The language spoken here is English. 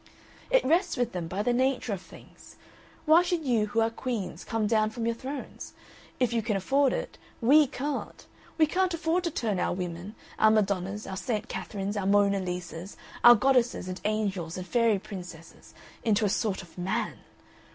"It rests with them by the nature of things. Why should you who are queens come down from your thrones? If you can afford it, WE can't. We can't afford to turn our women, our Madonnas, our Saint Catherines, our Mona Lisas, our goddesses and angels and fairy princesses, into a sort of man.